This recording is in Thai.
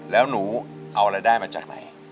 แล้วหนูเอารายได้มาจากไหน